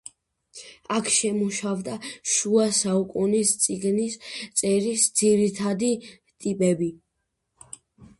აქ შემუშავდა შუა საუკუნის წიგნის წერის ძირითადი ტიპები.